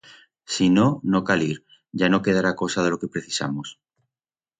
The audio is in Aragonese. Si no, no cal ir, ya no quedará cosa de lo que precisamos.